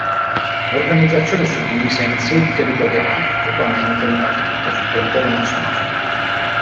L'organizzazione è suddivisa in sedi territoriali equamente ripartite sul territorio nazionale.